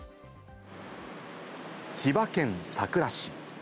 千葉県佐倉市。